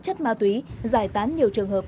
chất ma túy giải tán nhiều trường hợp